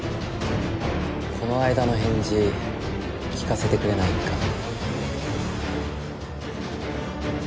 この間の返事聞かせてくれないかな。